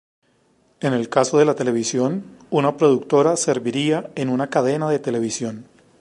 En el caso de la televisión, una productora serviría en una cadena de televisión.